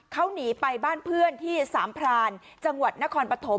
เขาหนีไปบ้านเพื่อนที่สามพรานจังหวัดนครปฐม